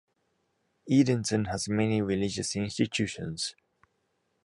Edenton has many religious institutions.